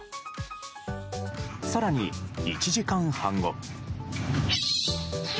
更に、１時間半後。